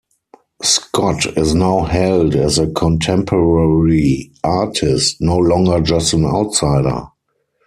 Scott is now hailed as a contemporary artist, no longer just an outsider.